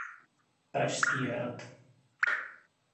Pražský hrad.